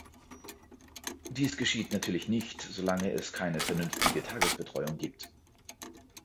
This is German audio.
Dies geschieht natürlich nicht, solange es keine vernünftige Tagesbetreuung gibt.